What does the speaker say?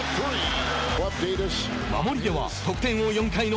守りでは、得点王４回の